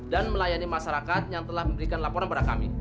dan melayani masyarakat yang telah memberikan laporan pada kami